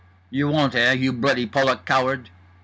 "You won't eh? You bloody Polak coward!"